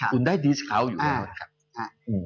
คุณได้ดีสครัวลง